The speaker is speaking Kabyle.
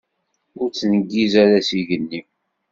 Ur ttneggiz s igenni.